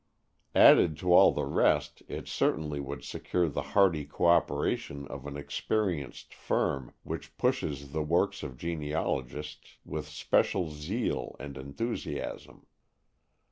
Added to all the rest, it certainly would secure the hearty co operation of an experienced firm which pushes the works of genealogists with special zeal and enthusiasm.